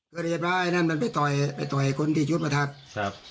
เกิดเหตุว่าไอ้นั่นมันไปต่อยไปต่อยคนที่ชุดประทัดครับ